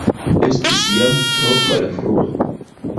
Estis jam tro malfrue.